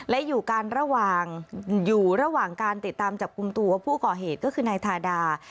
และอยู่กันระหว่างอยู่ระหว่างการติดตามจับกลุ่มตัวผู้ก่อเหตุก็คือนายทาดา